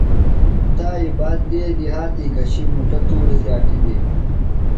تائی باد دیدی ہاتھی گھشی مُٹہ توری تھے اٹِلیۡ